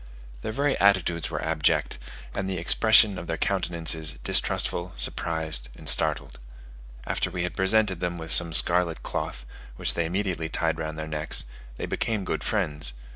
Their very attitudes were abject, and the expression of their countenances distrustful, surprised, and startled. After we had presented them with some scarlet cloth, which they immediately tied round their necks, they became good friends.